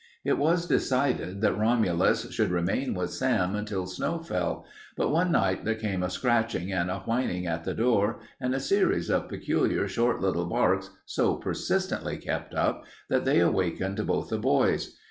It was decided that Romulus should remain with Sam until snow fell, but one night there came a scratching and a whining at the door and a series of peculiar short little barks so persistently kept up that they awakened both the boys.